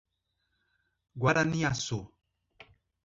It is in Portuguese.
Guaraniaçu